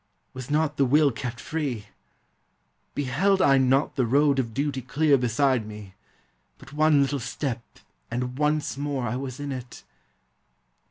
Was not the will kept free? Beheld I not The road of duty clear beside me — but One little step and once more I was in it!